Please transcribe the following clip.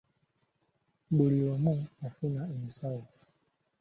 Buli omu yafuna ensawo!